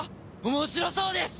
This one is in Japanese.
面白そうです！